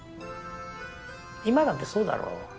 今だってそうだろ？